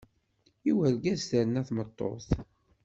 I urgaz terna tmeṭṭut.